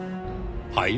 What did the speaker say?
はい？